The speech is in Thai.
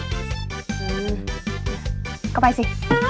อืมก็ไปสิ